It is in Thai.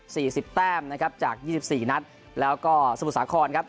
สิบแต้มนะครับจากยี่สิบสี่นัดแล้วก็สมุทรสาครครับ